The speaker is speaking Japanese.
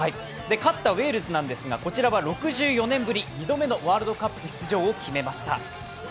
勝ったウェールズなんですが、こちらは６４年ぶり、２度目のワールドカップ出場を決めました。